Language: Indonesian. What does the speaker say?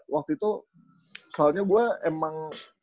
waktu itu soalnya gue emang